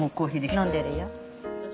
飲んでるよ。